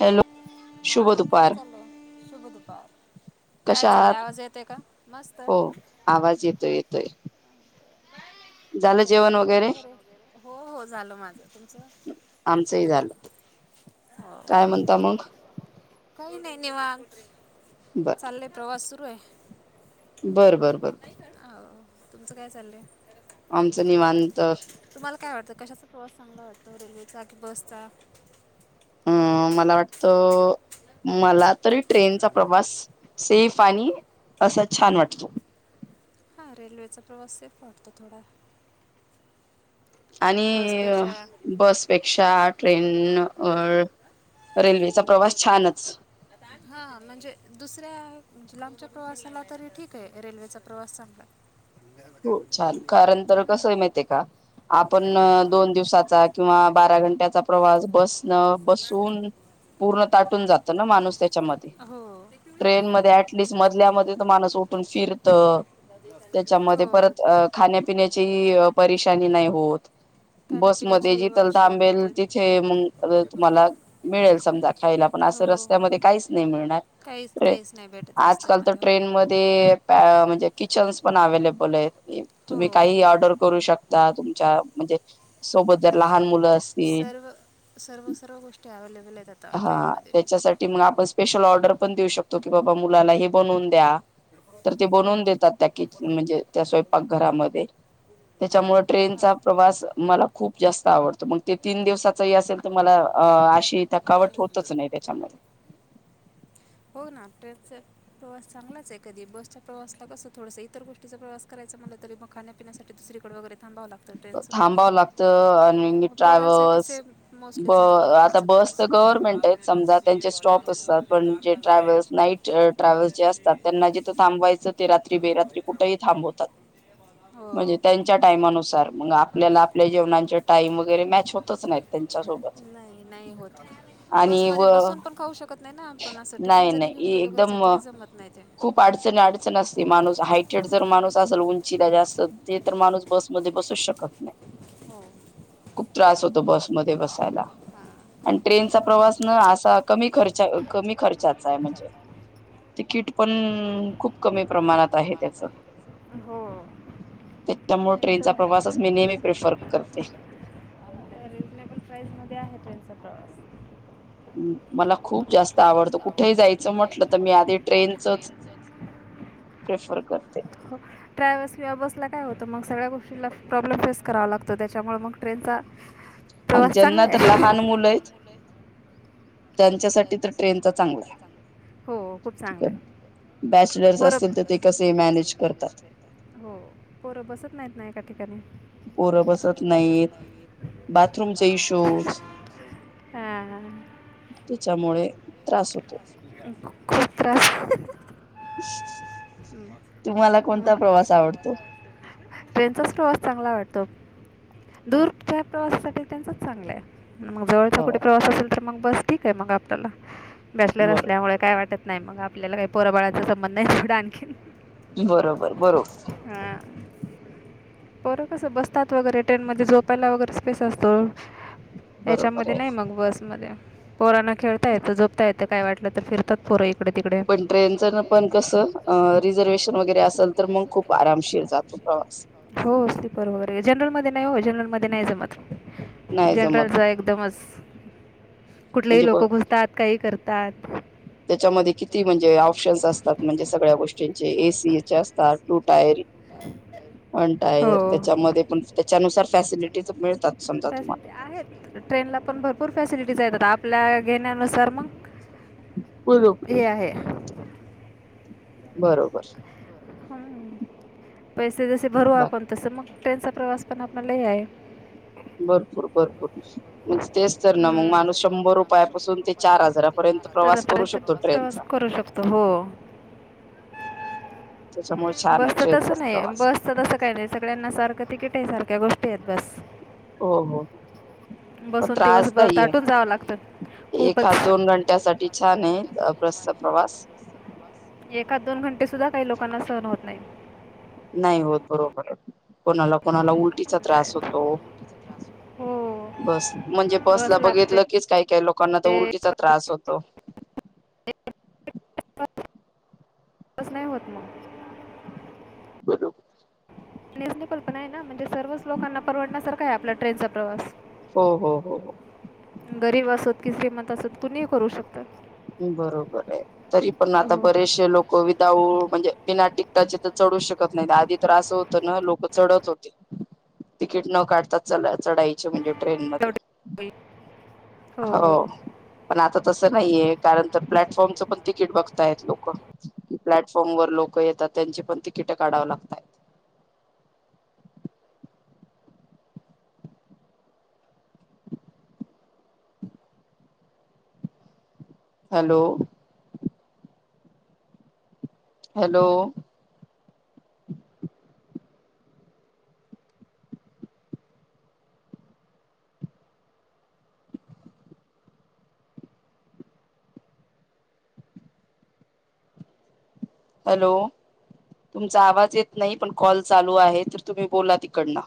Hello हा शुभ काय दुपार चाललंय? शुभ दुपार. काय कशा चाललंय आहात आवाज येते का? मस्त. हो आवाज येतोय, येतोय. झालं जेवण वगैरे. हो हो झालं माझं तुमचं. आमचंही झालं हो काय म्हणता मग. काही नाही निवांत चाललय प्रवास सुरू आहे. बर बर बर बर. अ तुमचं काय चाललंय. आमचं निवांत. तुम्हाला काय वाटतं कशाचा प्रवास चांगला वाटतो रेल्वेचा की बसचा. अं मला वाटतं मला तरी ट्रेनचा प्रवास सेफ आणि असा छान वाटतो. हा रेल्वेचा प्रवास सेफ वाटतो थोडा. आणि बसपेक्षा बस पेक्षा ट्रेन रेल्वेचा प्रवास छानच. हा म्हणजे दुसऱ्या लांबच्या प्रवासाला तरी ठीक आहे रेल्वेचा प्रवास चांगलाय. हो छान कारण तर कसंय माहिती आहे का. आपण दोन दिवसाचा किंवा बारा घंट्याचा प्रवास बसन बसून पूर्ण ताटून जात ना माणूस च्या मध्ये हो ट्रेन मध्ये अटलिस्ट मधल्या मध्ये तर माणस उठून फिरत. त्याच्यामध्ये हो. परत खाण्यापिण्याची परेशानी नाही होत. बसमध्ये खाण्यापिण्याची जिथल वॉशरूम हे थांबेल ते तिथे मग तुम्हाला मिळेल समजा खायला पण असं हो रस्त्यामध्ये काहीच नाही मिळणार. काहीच काहीच नाही भेटत रस्त्यामध्ये हो. ते म्हणजे किचन्स पण अवेलेबल आहेत. तुम्ही हो काहीही ऑर्डर करू शकता तुमच्या म्हणजे सोबत जर लहान मुलं असतील सर्व सर्व सर्व गोष्टी अवेलेबल आहेत आत हा त्याच्यासाठी मग आपण स्पेशल ऑर्डर पण देऊ शकतो की बाबा मुलाला हे बनवून द्या. तर ते हो बनवून हो देतात त्या किचन म्हणजे त्या स्वयंपाक घरामध्ये. त्याच्यामुळे हां ट्रेनचा प्रवास मला खूप जास्त आवडतो मग ते तीन दिवसाचा ही असेल तर मला आशी [unintelligible] हो ना अ टेच प्रवास चांगलाच आहे कधी बसचा प्रवासला कस थोडस इतर गोष्टीचा प्रवास करायच म्हटलं तरी मग खाण्यापिण्यासाठी दुसरीकड वगैर थांबावला थांबावं लागत आणि अं, पोरांसाठी ट्रॅव्हल्स से ब मोस्टली चांगलं आहे आता ट्रेनचा बस प्रवास गव्हर्नमेंट आहेत समजा त्यांचे स्टॉप असतात पण जे ट्रॅव्हल्स नाईट ट्रॅव्हल्स जे असतात त्यांना जिथं थांबवायचं ते रात्री बेरात्री कुठेही थांबवतात. म्हणजे हो त्यांच्या टायमानुसार. मग आपल्याला आपल्या जेवणाचे टाईम वगैरे मॅच होतच नाहीत त्यांच्या सोबत. नाही [inaudible] बसमध्ये बसून पण खाऊ शकत नाही ना आपण असं टिफिन नाही जरी घेऊन नाही गेलो घरच एकदम तरी जमत नाही ते. खूप अडचण अडचण असते माणूस हायटेड जर माणूस असेल उंचीला जास्त ते तर माणूस बसमध्ये. बसू शकत नाही. हो, खूप त्रास होतो बसमध्ये बसायला. हां आणि ट्रेनचा प्रवास ना असा कमी खर्चा कमी खर्चाचा आहे म्हणजे. तिकीट पण खूप कमी प्रमाणात आहे त्याच. त्याच्यामुळे ट्रेनचा प्रवासच मी नेहमी प्रेफर करते. तेच मध्ये आहे ट्रेन प्रवास. हम, मला खूप जास्त आवडतं कुठेही जायचं म्हटलं तर मी आधी ट्रेनचच. प्रेफर करते. ट्रायव्हल्स किंवा बसला काय होतं मग सगळ्या गोष्टीला प्रॉब्लेम फेस करावा लागतो त्याच्यामुळे मग ट्रेनचा. प्रवास. त्यांना चांगला आहे तर लहान मुलेच. मुलं आहेत आहे हो खूप ठीक चांगलं आहे आहे. बॅचलर्स परब. असतील तर ते कसे मॅनेज करतात हो पोरं बसत नाहीत ना एका ठिकाणी. पोरं बसत परापासत नाहीत नाही बाथरूमचे इश्यूज [inaudible] हा हा, त्याच्यामुळे त्रास होतो खूप त्रास. तुम्हाला कोणता प्रवास आवडतो. ट्रेनचाच प्रवास चांगला वाटतो दूरच्या प्रवासासाठी त्यांचच चांगला आहे. मग जवळचा हो कुठे प्रवास असेल तर मग बस ठीक आहे मग आपल्याला बॅचलर बरोबर असल्यामुळे. काय वाटत नाही मग आपल्याला काही पोरबळाचा संबंध नाही तिकडं आणखी. बरोबर बरोबर. हा, पोर कसं बसतात वगैरे ट्रेन मध्ये झोपायला वगैरे स्पेस असतो. बरोबर याच्यामध्ये आहे. नाही मग बसमध्ये पोराना खेळता येतं जोपता येतं काय वाटलं तर फिरतात पोरही. पण ट्रेन जर पण कसं अ रिझर्वेशन वगैरे असेल तर मग खूप आरामशी जात. हो असती बरोबर जनरल मध्ये नाही हो जनरल मध्ये नाही जमत. नाही जमत जनरलचा एकदमच कुठलेही म्हणजे ब लोक घु''--'' तात काही करतात. त्याच्यामध्ये किती म्हणजे ऑप्शन्स असतात ऑप्शन्स म्हणजे असतात सगळ्या गोष्टींचे म्हणजे सगळ्या एसीचे गोष्टीचे ए असतात टू सीच्या कार टायर. कुठला कुठल्या हो. पणताय आहेत त्याच्यामध्ये पण त्याच्यामध्ये त्याच्यानुसार फॅसिलिटी त्याच्यानुसार मिळतात. फॅसिलिटीज समजा तुम्हाला. फॅसिलिटी आहेत. ट्रेनला पण भरपूर फॅसिलिटीज आहेत आपल्या घेण्यानुसार मग. बरोबर हाय. हे आहे. बरोबर. हम् पैसे जसे भरू बा आपण तस मग ट्रेनचा प्रवास पण आपणला आहे. भरपूर भरपूर. तेच तर ना हं. मग तेच माणूस तर ना शंभर मग माणूस शंभर रुपयापासून ते चार रुपयापासून ते चार हजारापर्यंत त्याच्यापर्यंत प्रवास करू हजारापर्यंत शकतो त्याच्यापर्यंत प्रवास ट्रेनचा. करू प्रवास करू शकतो हो, त्याच्यामुळे छान बस आहे तस ट्रेनचाच नाही प्रवास बस. सदसं काही नाही सगळ्यांना सारखं तिकीट आहे सारख्या गोष्टी आहेत बस. हो हो. म बसून त्रास दिवसभर नाहीये ताटून जावं लागतं ए खूपच ह दोन एखाद घंट्या सा. छान घंट्यासाठी आहे बसचा प्रवास एका दोन घंटे सुद्धा काही लोकांना सहन होत नाही नाही होत बरोबर कोणाला कोणाला उल काय लोकांना त्रासहोत उलटीचा त्रास होतो हो म्हणजे बस ला बघितलं की काही काय लोक लोकांना तो उलटीचा त्रास होतो. तच नाही होत मग बरोबर रिझनेबल पण आहे ना म्हणजे सर्वच लोकांना परवडण्यासारखा आहे आपला ट्रेनचा प्रवास हो हो हो हो गरीब असोत की श्रीमंत असोत कुणीही करू शकतात. बरोबर आहे तरी पण आता बरेचसे लोक विदाऊ म्हणजे बिना टिकटाचे तर चढू शकत नाही आधी तर असं होतं ना लोक चढत होते तिकीट न काढताात च चढायचे म्हणजे ट्रेन मध्ये, इंग्लंडच हो पण आता तर तस नाहीय आहे कारण आता सगळे कारण प्लॅटफॉर्मच की पण तिकीट बघताय प्लॅटफॉर्मची लोक किती प्लॅटफॉर्म वर लोक येतात त्यांची पण तिकिट काढाव लागत हॅलो हॅलो हॅलो तुमचा आवाज येत नाही पण कॉल चालू आहे तर तुम्ही बोला तिकडन